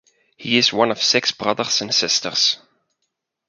He is one of six brothers and sisters.